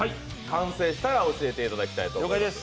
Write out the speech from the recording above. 完成したら教えていただきたいと思います。